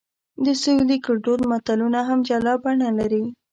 د سویلي ګړدود متلونه هم جلا بڼه لري